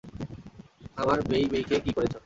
আমার মেই-মেইকে কী করেছ?